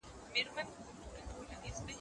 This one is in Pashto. د کوترو د چوغکو فریادونه